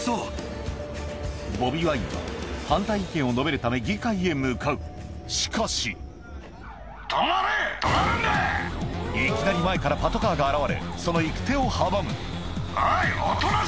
ボビ・ワインは反対意見を述べるため議会へ向かうしかしいきなり前からパトカーが現れその行く手を阻むおい！